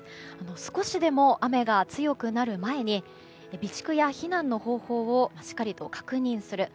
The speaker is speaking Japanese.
少しでも雨が強くなる前に備蓄や避難の方法をしっかり確認する。